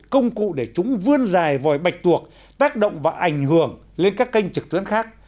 công cụ để chúng vươn dài vòi bạch tuộc tác động và ảnh hưởng lên các kênh trực tuyến khác